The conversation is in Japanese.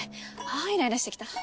あイライラしてきた。